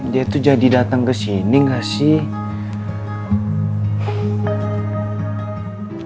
dia tuh jadi dateng kesini ga sih